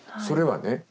それはね